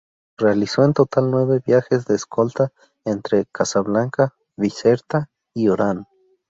Realizó en total nueve viajes de escolta entre Casablanca, Bizerta, y Orán.